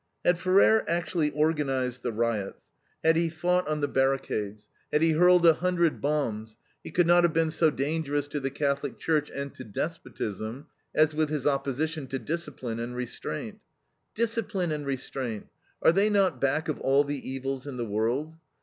" Had Ferrer actually organized the riots, had he fought on the barricades, had he hurled a hundred bombs, he could not have been so dangerous to the Catholic Church and to despotism, as with his opposition to discipline and restraint. Discipline and restraint are they not back of all the evils in the world?